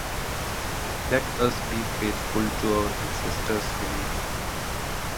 Let us be faithful to our ancestors' belief.